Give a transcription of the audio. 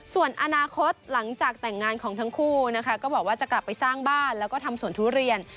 ส่วนอนาคตหลังจากแต่งงานของทั้งคู่นะคะก็บอกว่าจะกลับไปสร้างบ้านแล้วก็ทำสวนทุเรียน